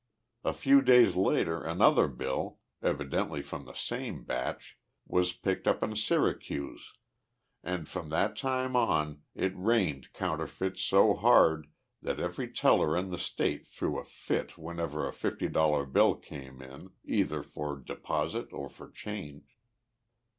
A few days later another bill, evidently from the same batch, was picked up in Syracuse, and from that time on it rained counterfeits so hard that every teller in the state threw a fit whenever a fifty dollar bill came in, either for deposit or for change.